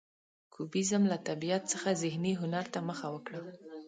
کوبیزم له طبیعت څخه ذهني هنر ته مخه وکړه.